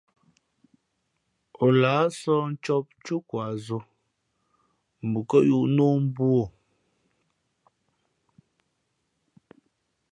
O lāh sɔ̌h ncǒp túkwa zō mα ǒ kάyūʼ nā o mbū o.